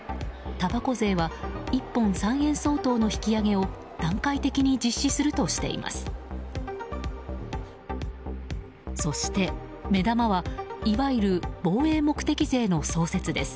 たばこ税は１本３円相当の引き上げを段階的に実施するとしています。